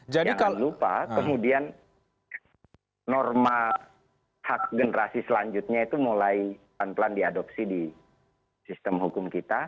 jangan lupa kemudian norma hak generasi selanjutnya itu mulai pelan pelan diadopsi di sistem hukum kita